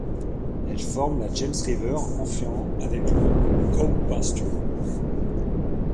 Elle forme la James River en confluant avec la Cowpasture.